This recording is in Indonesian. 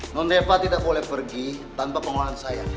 non deva tidak boleh pergi tanpa pengolahan saya